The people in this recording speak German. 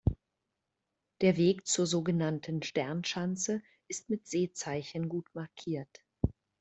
Der Weg zur so genannten Sternschanze ist mit Seezeichen gut markiert.